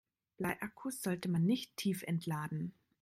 Bleiakkus sollte man nicht tiefentladen.